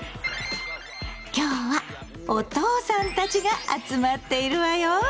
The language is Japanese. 今日はお父さんたちが集まっているわよ。